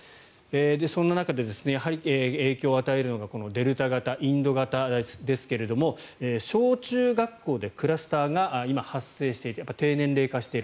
そんな中で影響を与えるのがデルタ型、インド型ですが小中学校でクラスターが今、発生していて低年齢化している。